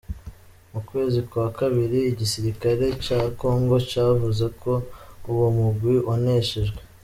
Mu kwezi kwa kabiri, igisirikare ca Kongo cavuze ko uwo mugwi waneshejwe.